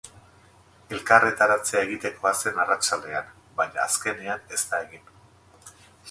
Elkarretaratzea egitekoa zen arratsaldean, baina azkenean ez da egin.